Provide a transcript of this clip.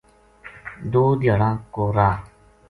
دو دھیاڑا کو راہ